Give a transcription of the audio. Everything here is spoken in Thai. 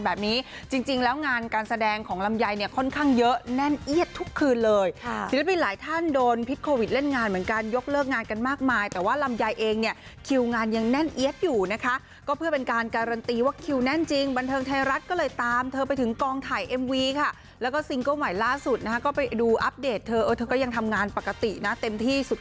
แบบนี้จริงแล้วงานการแสดงของลำไยเนี่ยค่อนข้างเยอะแน่นเอียดทุกคืนเลยศิลปินหลายท่านโดนพิษโควิดเล่นงานเหมือนกันยกเลิกงานกันมากมายแต่ว่าลำไยเองเนี่ยคิวงานยังแน่นเอียดอยู่นะคะก็เพื่อเป็นการการันตีว่าคิวแน่นจริงบันเทิงไทยรัฐก็เลยตามเธอไปถึงกองถ่ายเอ็มวีค่ะแล้วก็ซิงเกิ้ลใหม